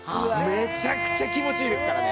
めちゃくちゃ気持ちいいですからね。